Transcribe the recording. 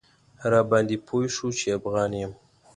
راباندې پوی شو چې افغان یم.